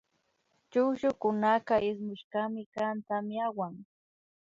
Chukllukunaka ismushkami kan tamyawan